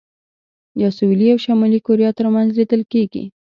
یا سوېلي او شمالي کوریا ترمنځ لیدل کېږي.